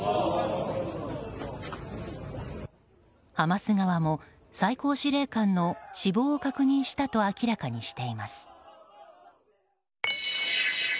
ハマス側も最高司令官の死亡を確認したと明らかにしています。